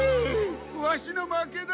ワシの負けだ。